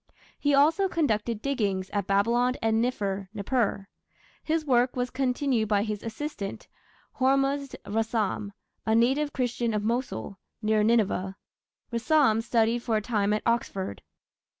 He also conducted diggings at Babylon and Niffer (Nippur). His work was continued by his assistant, Hormuzd Rassam, a native Christian of Mosul, near Nineveh. Rassam studied for a time at Oxford.